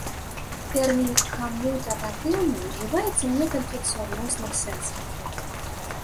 Тэрмін камутатыўны ўжываецца ў некалькіх суадносных сэнсах.